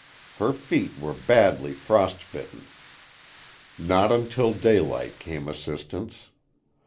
Her feet were badly frost bitten. Not until daylight came assistance.